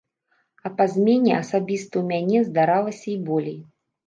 А па змене асабіста ў мяне здаралася і болей.